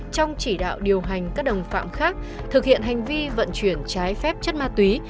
trong chỉ đạo điều hành các đồng phạm khác thực hiện hành vi vận chuyển trái phép chất ma túy